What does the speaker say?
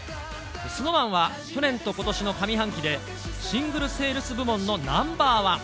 ＳｎｏｗＭａｎは、去年とことしの上半期で、シングルセールス部門のナンバーワン。